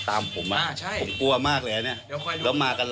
ถ้าจะให้ผมตายแล้วหรือว่าไง